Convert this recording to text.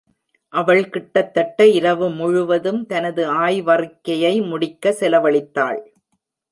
அவள் கிட்டத்தட்ட இரவு முழுவதும் தனது ஆய்வறிக்கையை முடிக்க செலவழித்தாள்.